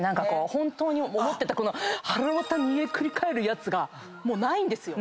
本当に思ってたはらわた煮えくり返るやつがもうないんですよ。